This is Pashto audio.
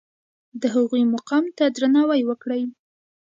د هغوی مقام ته درناوی وکړئ.